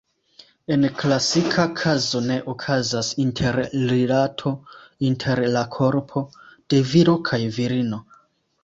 En klasika kazo ne okazas interrilato inter la korpo de viro kaj virino.